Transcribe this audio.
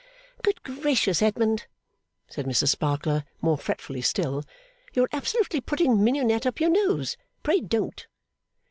'Good gracious, Edmund!' said Mrs Sparkler more fretfully still, 'you are absolutely putting mignonette up your nose! Pray don't!